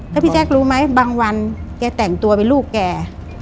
แล้วพี่แจ๊ครู้ไหมบางวันแกแต่งตัวเป็นลูกแก